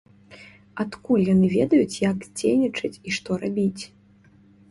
Адкуль яны ведаюць як дзейнічаць і што рабіць?